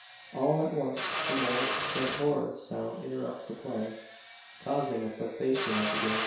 All at once a more stentorous sound interrupts the play, causing a cessation of the game.